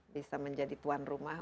bisa menjadi tuan rumah